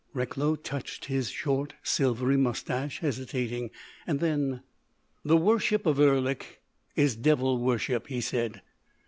Recklow touched his short, silvery moustache, hesitating. Then: "The worship of Erlik is devil worship," he said.